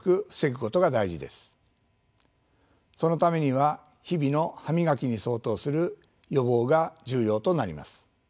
そのためには日々の歯磨きに相当する予防が重要となります。